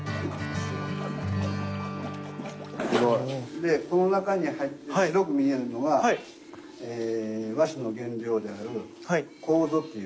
でこの中に入ってる白く見えるのは和紙の原料であるコウゾっていう。